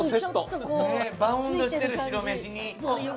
バウンドしてる白飯に。